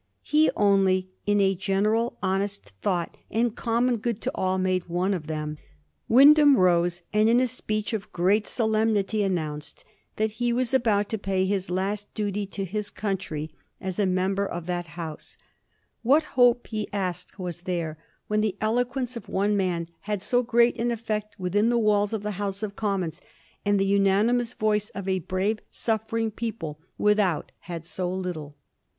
He only in a general honest thought, and common good to all, made one of them. Wyndham rose, and in a speech of great solemnity announced that he was about to pay his last duty to his country as a member of that 1739. THE SECESSION. 173 House. What hope, he asked, was there when the elo quence of one man had so great an effect within the walls of the House of Commons, and the unanimous voice of a brave, suffering people without had so little?